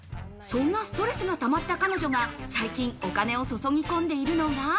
そんなストレスがたまった彼女が、最近お金を注ぎ込んでいるのが。